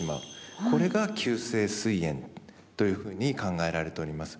これが急性すい炎というふうに考えられております。